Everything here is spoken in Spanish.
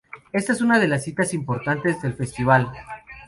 Esta es una de las citas importantes del festival.